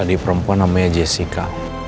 tadi perempuan namanya jessica